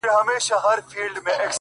هغه خو زما کره په شپه راغلې نه ده;